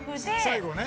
最後ね。